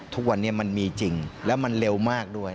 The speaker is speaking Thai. ทุกวันนี้มันมีจริงแล้วมันเร็วมากด้วย